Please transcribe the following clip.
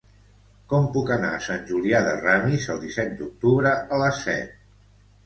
Com puc anar a Sant Julià de Ramis el disset d'octubre a les set?